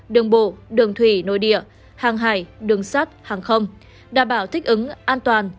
đường bộ đường thủy nội địa hàng hải đường sắt hàng không đảm bảo thích ứng an toàn